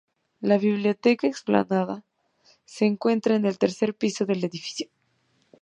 La biblioteca explanada se encuentra en el tercer piso del edificio.